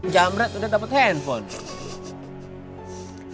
jamret udah dapet handphone